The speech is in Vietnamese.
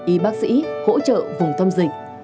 y bác sĩ hỗ trợ vùng thông dịch